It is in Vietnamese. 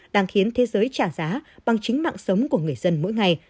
đang khiến thế giới trả giá bằng chính mạng sống của người dân mỗi ngày